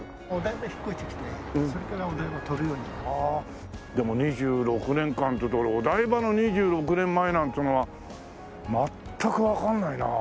ああでも２６年間っていうと俺お台場の２６年前なんっつうのは全くわかんないなあ。